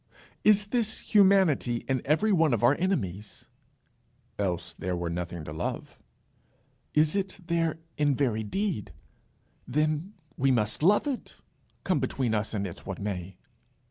"Is this humanity in every one of our enemies?" "Else there were nothing to love." "Is it there in very deed? Then we must love it, come between us and it what may."